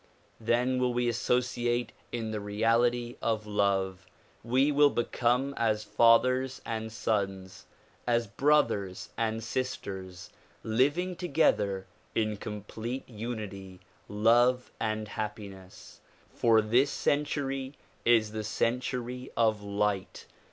Then will we associate in the reality of love. We will become as fathers and sons, as brothers and sisters living together in complete unity, love and happiness, for this century is the century of light.